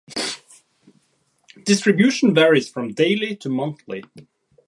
Distribution varies from daily to monthly.